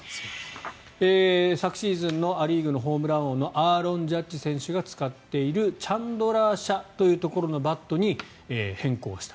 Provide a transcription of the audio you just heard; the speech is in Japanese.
昨シーズンのア・リーグのホームラン王のアーロン・ジャッジ選手が使っているチャンドラー社というところのバットに変更した。